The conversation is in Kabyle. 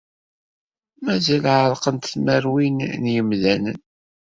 Mazal ɛerqent tmerwin n yimdanen.